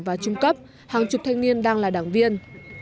và trung cấp hàng chục thanh niên đang là đảng viên